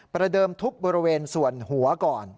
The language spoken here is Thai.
ประเดิมทุบบริเวณส่วนหัวก่อน